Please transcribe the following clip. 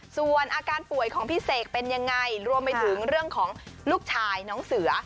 ส่วนอาการป่วยของพี่เสกเป็นยังไงรวมไปถึงเรื่องของลูกชายน้องเสือ